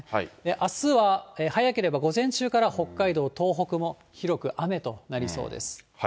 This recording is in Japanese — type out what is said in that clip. あすは早ければ午前中から北海道、東北も広く雨となりそうです。